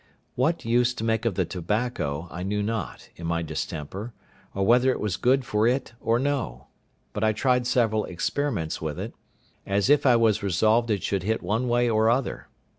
What use to make of the tobacco I knew not, in my distemper, or whether it was good for it or no: but I tried several experiments with it, as if I was resolved it should hit one way or other.